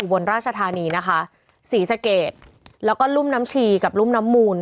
อุบวนราชธารณีนะฮะศีรสเกษแล้วก็รุ่นน้ำชีกับรุ่นน้ำมูล